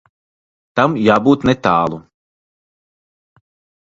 Tam jābūt netālu.